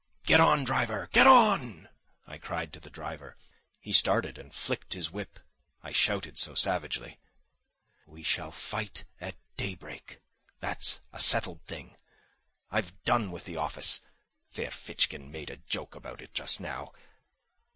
Get on, driver, get on!" I cried to the driver. He started and flicked his whip, I shouted so savagely. "We shall fight at daybreak, that's a settled thing. I've done with the office. Ferfitchkin made a joke about it just now.